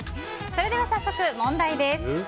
それでは早速、問題です。